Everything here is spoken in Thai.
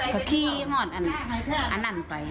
ก็เฮียงออดอันนั้นไป